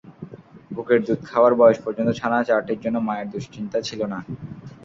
বুকের দুধ খাওয়ার বয়স পর্যন্ত ছানা চারটির জন্য মায়ের দুশ্চিন্তা ছিল না।